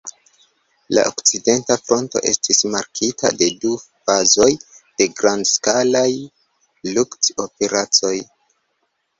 La Okcidenta Fronto estis markita de du fazoj de grand-skalaj lukt-operacoj.